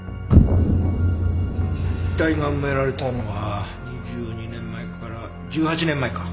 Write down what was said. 遺体が埋められたのは２２年前から１８年前か。